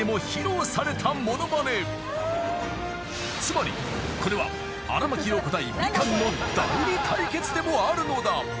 ［つまりこれは荒牧陽子対みかんの代理対決でもあるのだ］